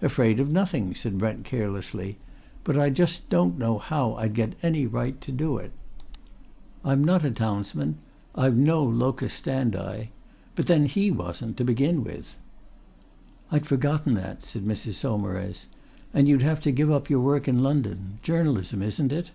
"Afraid of nothing," said Brent carelessly. "But I just don't know how I'd get any right to do it. I'm not a townsman I've no locus standi. But, then he wasn't, to begin with." "I'd forgotten that," said Mrs. Saumarez. "And you'd have to give up your work in London journalism, isn't it?"